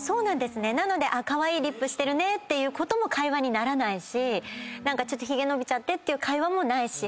なのでカワイイリップしてるねということも会話にならないし何かちょっとひげ伸びちゃってっていう会話もないし。